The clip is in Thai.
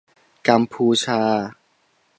กัมพูชา